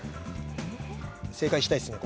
正解したいっすね